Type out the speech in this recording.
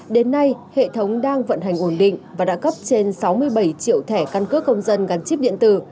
đến nay hệ thống đang vận hành ổn định và đã cấp trên sáu mươi bảy triệu thẻ căn cước công dân gắn chip điện tử